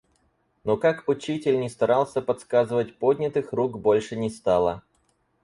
Но как учитель не старался подсказывать, поднятых рук больше не стало.